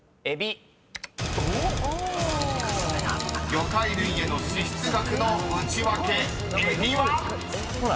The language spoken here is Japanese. ［魚介類への支出額のウチワケエビは⁉］